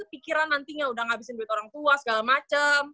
kepikiran nantinya udah gak bisa duit orang tua segala macem